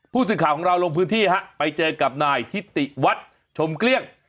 ผู้สื่อข่าวของเราลงพื้นที่ฮะไปเจอกับนายทิติวัฒน์ชมเกลี้ยง